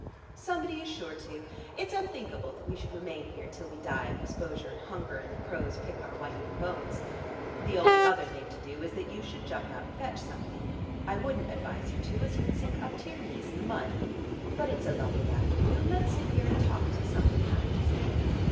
"Somebody is sure to. It's unthinkable that we should remain here till we die of exposure and hunger, and the crows pick our whitening bones. The only other thing to do is that you should jump out and fetch somebody. I wouldn't advise you to, as you would sink up to your knees in the mud. But it's a lovely afternoon; let's sit here and talk till something happens.